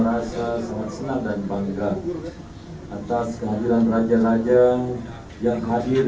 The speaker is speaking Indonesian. wassalamualaikum warahmatullahi wabarakatuh